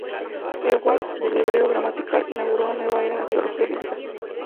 Ewald del hebreo Gramática inauguró una nueva era en la filología bíblica.